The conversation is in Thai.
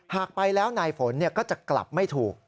หากไปแล้วนายฝนก็จะกลับไม่ถูก